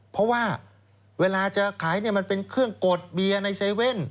เพราะว่าเวลาจะขายมันเป็นเครื่องกดเบียร์ใน๗๑๑